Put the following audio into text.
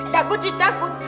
takut sih takut